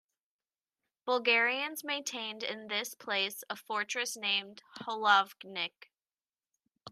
Bulgarians maintained in this place a fortress named "Holavnik".